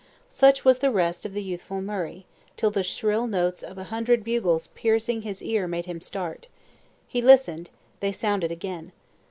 Such was the rest of the youthful Murray, till the shrill notes of a hundred bugles piercing his ear made him start. He listened; they sounded again.